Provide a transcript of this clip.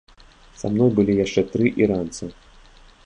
Са мной былі яшчэ тры іранца.